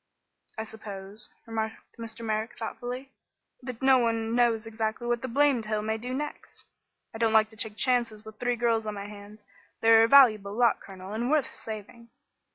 "I suppose," remarked Mr. Merrick, thoughtfully, "that no one knows exactly what the blamed hill may do next. I don't like to take chances with three girls on my hands. They are a valuable lot, Colonel, and worth saving."